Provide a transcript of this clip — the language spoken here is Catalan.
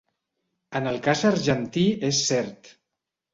En el cas argentí és cert.